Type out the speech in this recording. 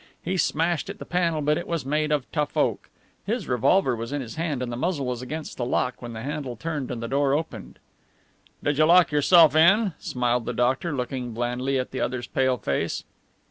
He smashed at the panel but it was made of tough oak. His revolver was in his hand and the muzzle was against the lock when the handle turned and the door opened. "Did you lock yourself in?" smiled the doctor, looking blandly at the other's pale face.